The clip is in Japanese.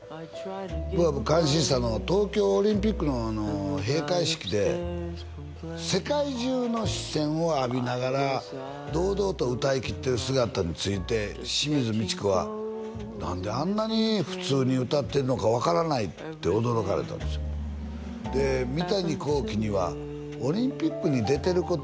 僕感心したのは東京オリンピックの閉会式で世界中の視線を浴びながら堂々と歌いきってる姿について清水ミチコは「何であんなに普通に歌ってるのか分からない」って驚かれたんですよで三谷幸喜には「オリンピックに出てることを」